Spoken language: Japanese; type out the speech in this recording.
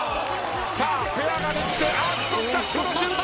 さあペアができてあっとしかしこの瞬間！